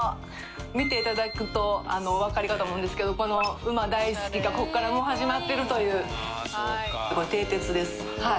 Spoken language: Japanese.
見ていただくとあのお分かりかと思うんですけどこの馬大好きがこっからもう始まってるという。